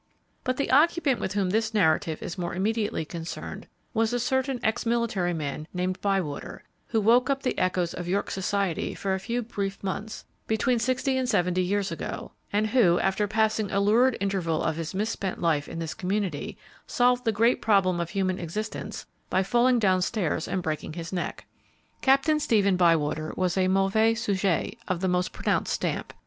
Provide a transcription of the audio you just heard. But the occupant with whom this narrative is more immediately concerned was a certain ex military man named Bywater, who woke up the echoes of York society for a few brief months, between sixty and seventy years ago, and who, after passing a lurid interval of his misspent life in this community, solved the great problem of human existence by falling down stairs and breaking his neck. Captain Stephen Bywater was a mauvais sujet of the most pronounced stamp.